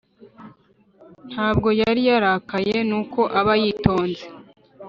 ntabwo yari yarakaye nuko aba yitonze